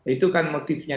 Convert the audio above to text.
itu kan motifnya